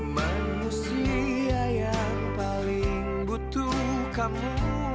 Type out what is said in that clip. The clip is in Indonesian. manusia yang paling butuh kamu